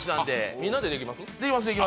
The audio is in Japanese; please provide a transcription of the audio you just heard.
みんなでできます